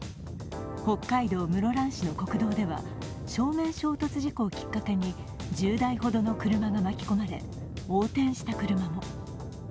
北海道室蘭市の国道では正面衝突事故をきっかけに１０台ほどの車が巻き込まれ横転した車も。